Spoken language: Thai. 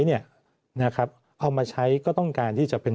เอามาใช้ก็ต้องการที่จะเป็น